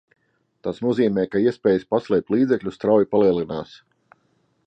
Tas nozīmē, ka iespējas paslēpt līdzekļus strauji palielinās.